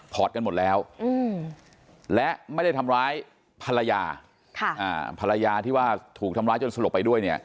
กันหมดแล้วและไม่ได้ทำร้ายภรรยาภรรยาที่ว่าถูกทำร้ายจนสลบไปด้วยเนี่ย